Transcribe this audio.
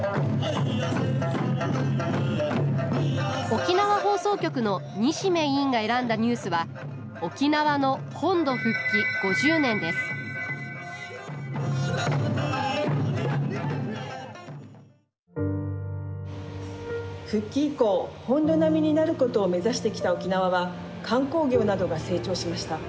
沖縄放送局の西銘委員が選んだニュースは沖縄の本土復帰５０年です復帰以降本土並みになることを目指してきた沖縄は観光業などが成長しました。